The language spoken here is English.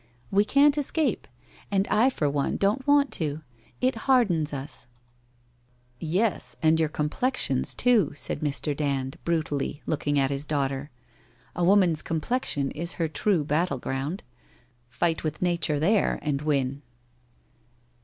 We can't escape, and I for one don't want to. It hardens us/ 78 WHITE ROSE OF WEARY LEAF 'Yes, and your complexions, too,' said Mr. Dand brutally, looking at his daughter. ' A woman's complexion is her true battle ground. Fight with nature there and win.'